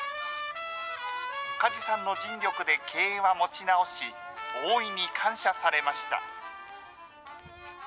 加地さんの尽力で経営は持ち直し、大いに感謝されました。